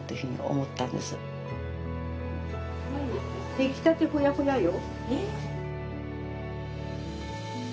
出来たてほやほやよ。